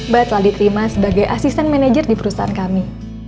baiklah diterima sebagai asisten manajer di perusahaan kami